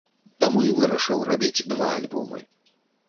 Таму і вырашыў рабіць два альбомы.